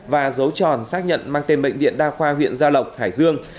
và dấu tròn xác nhận mang tên bệnh viện đa khoa huyện gia lộc hải dương